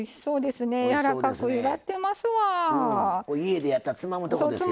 家でやったらつまむとこですよ。